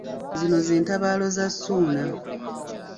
Zino ze ntabaalo za Ssuuna.